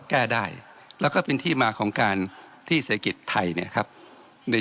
แก้ได้แล้วก็เป็นที่มาของการที่เศรษฐกิจไทยเนี่ยครับใน